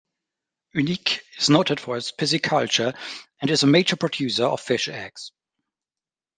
Huningue is noted for its pisciculture and is a major producer of fish eggs.